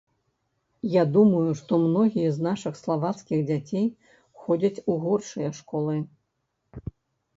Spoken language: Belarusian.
Я думаю, што многія з нашых славацкіх дзяцей ходзяць у горшыя школы.